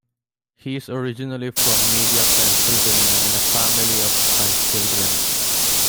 He is originally from Media, Pennsylvania and a family of five children.